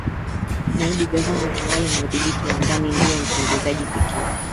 naibu gavana utawala na udhibiti wa ndani ndiye mtendaji pekee